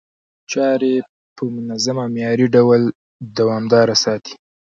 چاري په منظم او معياري ډول دوامداره ساتي،